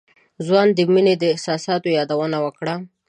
ځوان د مينې د احساساتو يادونه وکړه.